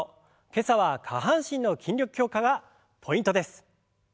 今朝は下半身の筋力強化がポイントです。